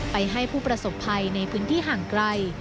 ให้ผู้ประสบภัยในพื้นที่ห่างไกล